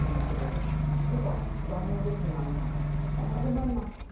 何でも合います。